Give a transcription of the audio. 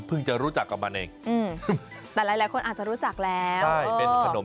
เพิ่งจะรู้จักเอากันเองแต่นานคนอาจจะรู้จักแหลว